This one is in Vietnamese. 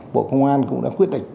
bộ công an cũng đã quyết định